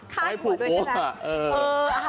ข้านหัวด้วยมั้ย